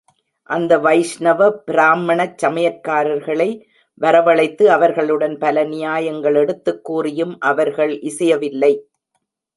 அந்த வைஷ்ணவ பிராம்மணச் சமையற்காரர்களை வரவழைத்து, அவர்களுடன் பல நியாயங்கள் எடுத்துக் கூறியும் அவர்கள் இசையவில்லை.